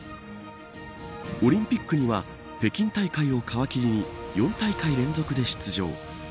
オリンピックには、北京大会を皮切りに４大会連続で出場。